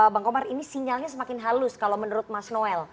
bang komar ini sinyalnya semakin halus kalau menurut mas noel